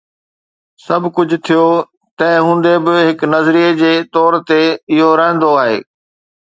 سڀ ڪجهه ٿيو، تنهن هوندي به، هڪ نظريي جي طور تي اهو رهندو آهي